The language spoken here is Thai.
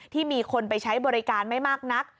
มีคนไปใช้บริการไม่มากนัก